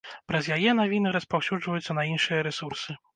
Праз яе навіны распаўсюджваюцца на іншыя рэсурсы.